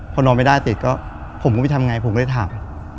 พอนอนไม่ได้เด็กก็ผมก็ไปทำยังไงผมก็ได้ถาม